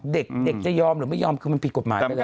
เด็กจะยอมหรือไม่ยอมคือมันผิดกฎหมายไปแล้ว